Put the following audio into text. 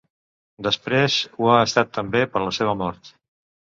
Després ho ha estat també per la seva mort.